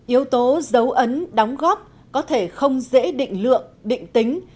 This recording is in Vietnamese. yếu tố dấu ấn đóng góp có thể không dễ định lượng định tính